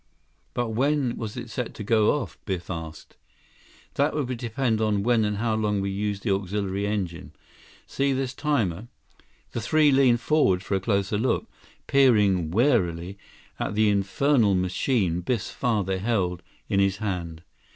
"But when was it set to go off?" Biff asked. "That would depend on when and how long we used the auxiliary engine. See this timer?" The three leaned forward for a closer look, peering warily at the infernal machine Biff's father held in his hand.